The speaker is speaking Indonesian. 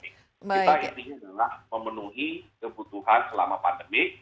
kita ingin memenuhi kebutuhan selama pandemi